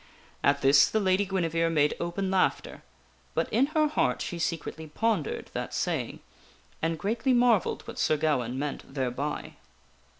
At this the Lady Guinevere made open laughter ; but in her heart she secretly pondered that saying and greatly marvelled what Sir Gawaine meant thereby.